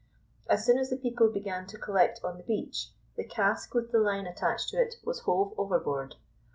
As soon as the people began to collect on the beach, the cask with the line attached to it was hove overboard.